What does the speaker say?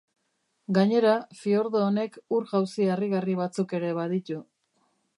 Gainera, fiordo honek, ur-jauzi harrigarri batzuk ere baditu.